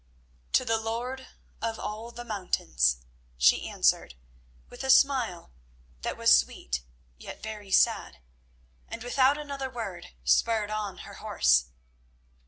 "To the Lord of all the Mountains," she answered, with a smile that was sweet yet very sad; and without another word spurred on her horse.